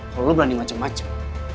kalo lu belanin macem macem